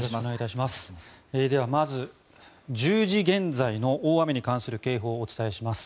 ではまず１０時現在の大雨に関する警報をお伝えします。